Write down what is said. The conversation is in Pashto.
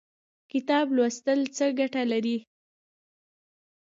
کتاب لوستل څه ګټه لري؟